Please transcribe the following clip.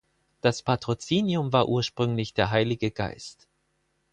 Das Patrozinium war ursprünglich der Heilige Geist.